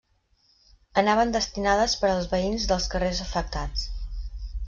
Anaven destinades per als veïns dels carrers afectats.